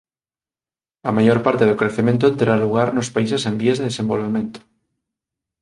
A maior parte do crecemento terá lugar nos países en vías de desenvolvemento